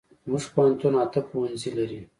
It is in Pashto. زمونږ پوهنتون اته پوهنځي لري